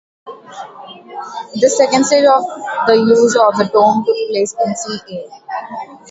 This second stage of the use of the tomb took place in ca.